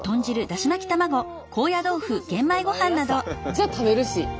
じゃあ食べるし！